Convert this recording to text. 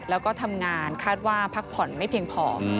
แล้วก็ทำงานคาดว่าพักผ่อนไม่เพียงพอ